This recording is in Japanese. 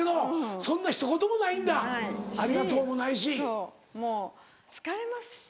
そうもう疲れました。